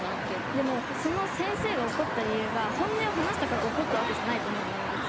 でもその先生が怒った理由が本音を話したから怒ったわけじゃないと思うのね別に。